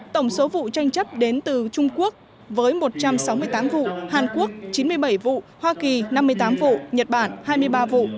tổng số vụ tranh chấp đến từ trung quốc với một trăm sáu mươi tám vụ hàn quốc chín mươi bảy vụ hoa kỳ năm mươi tám vụ nhật bản hai mươi ba vụ